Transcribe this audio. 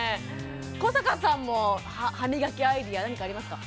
古坂さんも歯磨きアイデア何かありますか？